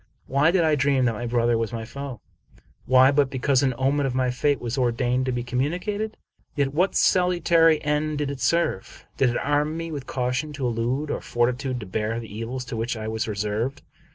Why did I dream that my brother was my foe? Why but because an omen of my fate was or dained to be communicated? Yet what salutary end did it serve ? Did it arm me with caution to elude or fortitude to bear the evils to which I was reserved?